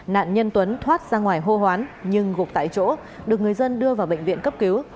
nạn nhân tuấn thoát ra ngoài hô hoán nhưng gục tại chỗ được người dân đưa vào bệnh viện cấp cứu